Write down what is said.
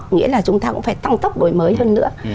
nghĩa là chúng ta cũng phải tăng tốc đổi mới hơn nữa